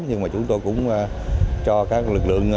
nhưng mà chúng tôi cũng cho các lực lượng